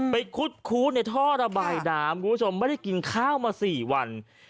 ไปคุดคู้ในท่อระบายดามไม่ได้กินข้าวมา๔วัน